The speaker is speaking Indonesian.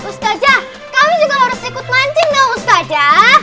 ustadzah kami juga harus ikut mancing dong ustadzah